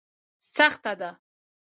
سخته ده.